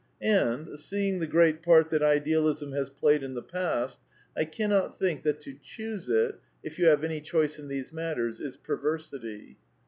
And, seeing the great part that Idealism has played in the past, I cannot think that to choose it (if you have any choice in these matters) is perversity.